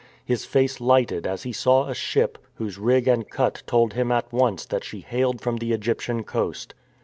His face lighted as he saw a ship, whose rig and cut told him at once that she hailed from the Egyptian coast.